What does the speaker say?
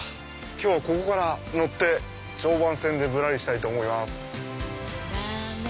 今日はここから乗って常磐線でぶらりしたいと思います。